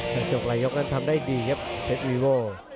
ในช่วงรายยกนั้นทำได้ดีครับเพชรวีโว